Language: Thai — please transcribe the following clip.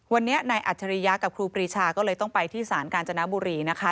วันนี้นายอัจฉริยะกับครูปรีชาก็เลยต้องไปที่ศาลกาญจนบุรีนะคะ